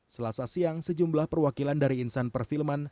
selasa siang sejumlah perwakilan dari insan perfilman